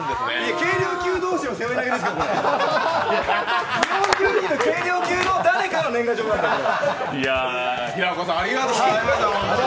軽量級同士の背負い投げですよ、軽量級の誰かの年賀状ですから。